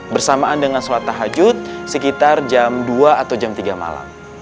bersamaan dengan sholat tahajud sekitar jam dua atau jam tiga malam